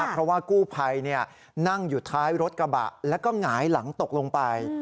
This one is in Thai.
เพราะว่ากู้ภัยนั่งอยู่ท้ายรถกระบะแล้วก็หงายหลังตกลงไป